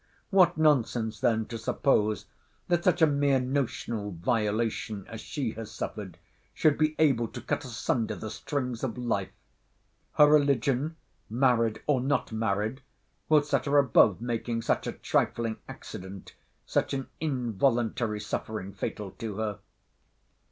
What nonsense then to suppose that such a mere notional violation as she has suffered should be able to cut asunder the strings of life? Her religion, married, or not married, will set her above making such a trifling accident, such an involuntary suffering fatal to her.